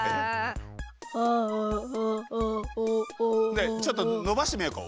ねえちょっとのばしてみようか。